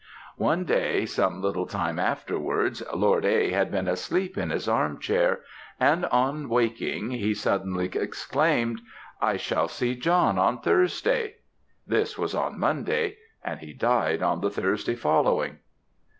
"One day, some little time afterwards, Lord A. had been asleep in his arm chair, and on waking, he suddenly exclaimed, 'I shall see John on Thursday!' This was on a Monday, and he died on the Thursday following."